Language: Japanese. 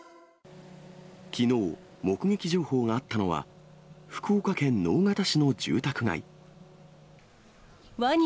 きのう、目撃情報があったのは、福岡県直方市の住宅街。